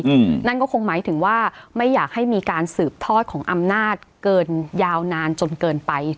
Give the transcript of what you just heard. อืมนั่นก็คงหมายถึงว่าไม่อยากให้มีการสืบทอดของอำนาจเกินยาวนานจนเกินไป